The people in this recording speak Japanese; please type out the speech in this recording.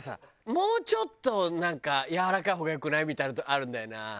もうちょっとなんかやわらかい方がよくない？みたいなのあるんだよな。